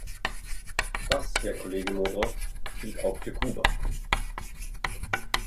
Das, Herr Kollege Modrow, gilt auch für Kuba.